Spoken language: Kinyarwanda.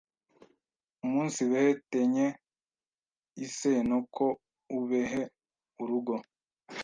umunsibehe te n y e is e n o k u b e h e urugo”